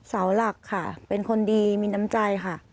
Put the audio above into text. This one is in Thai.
เสาหลักค่ะเป็นคนดีมีน้ำใจค่ะ